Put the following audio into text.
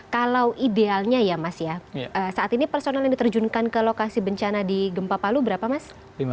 kalau idealnya ya mas ya saat ini personal yang diterjunkan ke lokasi bencana di gempa palu berapa mas